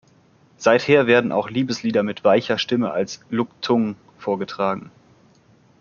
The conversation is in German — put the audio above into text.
Seither werden auch Liebeslieder mit weicher Stimme als "Luk Thung" vorgetragen.